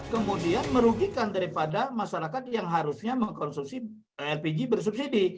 kemudian merugikan daripada masyarakat yang harusnya mengkonsumsi lpg bersubsidi